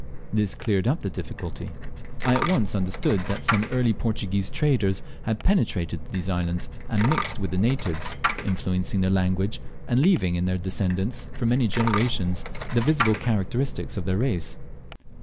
This cleared up the difficulty. I at once understood that some early Portuguese traders had penetrated to these islands, and mixed with the natives, influencing their language, and leaving in their descendants for many generations the visible characteristics of their race.